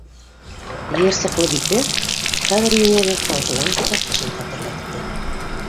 Йыйырсыҡлы бите хәҙер ниңәлер таушалған китап тышын хәтерләтте.